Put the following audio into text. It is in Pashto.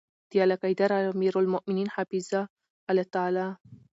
د عاليقدر اميرالمؤمنين حفظه الله تعالی